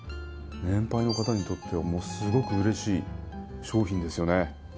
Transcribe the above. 年配の方にとってはすごくうれしい商品ですよね。